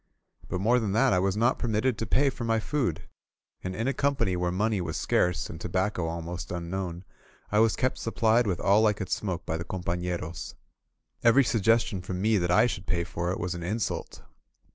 But more than that, I was not permitted to pay for my food; and in a company where money was scarce and tobacco al 46 WHITE NIGHTS AT ZARCA most unknown, I was kept supplied with all I could smoke by the compafleros. Every suggestion from me that I should pay for it was an insult.